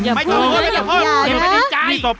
อย่าต้องอย่าต้อง